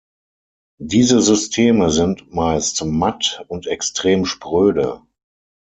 Diese Systeme sind meist matt und extrem spröde.